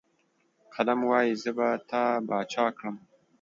قلم وايي، زه به تا باچا کړم.